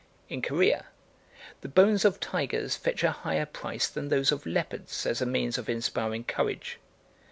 In Corea the bones of tigers fetch a higher price than those of leopards as a means of inspiring courage.